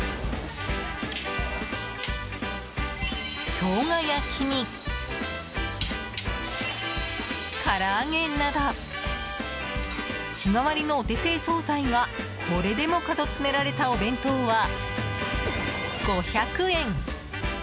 しょうが焼きに、から揚げなど日替わりのお手製総菜がこれでもかと詰められたお弁当は５００円。